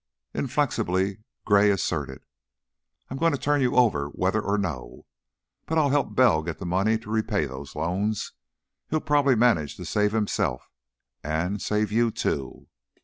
Inflexibly Gray asserted: "I'm going to turn you over, whether or no. But I'll help Bell get the money to repay those loans. He'll probably manage to save himself and save you, too."